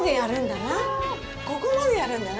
ここまでやるんだな？